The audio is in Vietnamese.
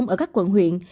ở các quận huyện